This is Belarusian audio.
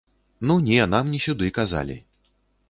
Ну не, нам не сюды, казалі.